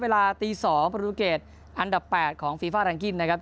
เวลาตี๒ปฎเกรดอันดับ๘ของฟีฟ้ารังกินนะครับ